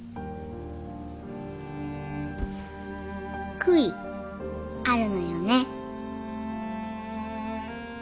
悔いあるのよね。